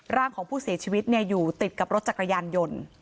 ร่างของผู้เสียชีวิตอยู่ติดกับรถจักรยานยนต์